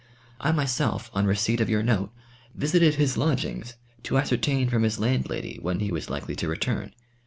I myself, on receipt of your note, visited his lodgings to ascertain from his landlady when he was likely to return.